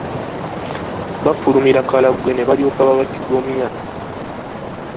Baafulumira Karagwe ne balyoka babatigomya.